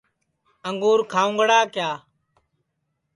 انگُور کھاؤنگڑا کِیا